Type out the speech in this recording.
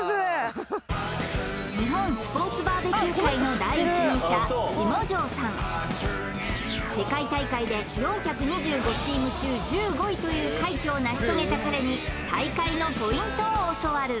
日本スポーツバーベキュー界の第一人者下城さん世界大会で４２５チーム中１５位という快挙を成し遂げた彼に大会のポイントを教わる！